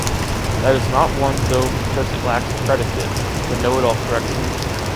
That is not one though because it lacks the predicate, the know-it-all corrects me.